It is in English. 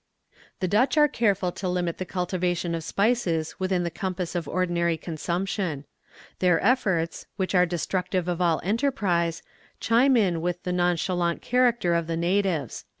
"The Dutch are careful to limit the cultivation of spices within the compass of ordinary consumption. Their efforts, which are destructive of all enterprise, chime in with the nonchalant character of the natives."